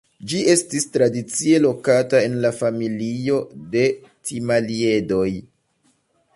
Ĝi estis tradicie lokata en la familio de Timaliedoj.